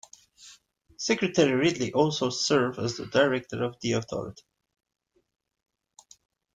Secretary Ridley also serves as the Director of the Authority.